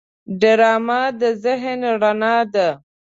ډرامه د ذهن رڼا ده